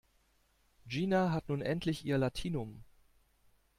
Gina hat nun endlich ihr Latinum.